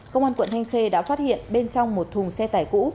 công an quận thanh khê đã phát hiện bên trong một thùng xe tải cũ